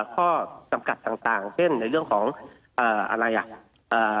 ข้อจำกัดต่างต่างเช่นในเรื่องของเอ่ออะไรอ่ะเอ่อ